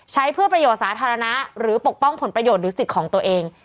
ใช้เพื่อประโยชน์สาธารณะหรือปกป้องผลประโยชน์หรือสิทธิ์ของตัวเอง